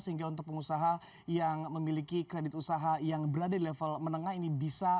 sehingga untuk pengusaha yang memiliki kredit usaha yang berada di level menengah ini bisa